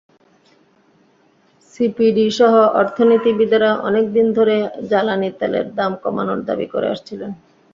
সিপিডিসহ অর্থনীতিবিদেরা অনেক দিন ধরেই জ্বালানি তেলের দাম কমানোর দাবি করে আসছিলেন।